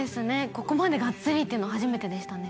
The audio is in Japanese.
ここまでガッツリっていうの初めてでしたね